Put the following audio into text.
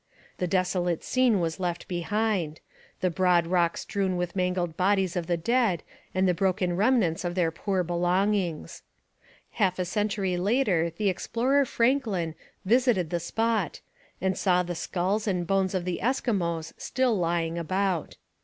The desolate scene was left behind the broad rock strewn with mangled bodies of the dead and the broken remnants of their poor belongings. Half a century later the explorer Franklin visited the spot and saw the skulls and bones of the Eskimos still lying about.